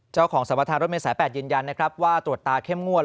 เจ้าของสาวทางรถเมษาสายแปดยืนยันนะครับว่าตรวจตาเข้มงวล